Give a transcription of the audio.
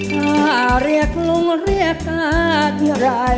ข้าเรียกลุงเรียกกาทิราย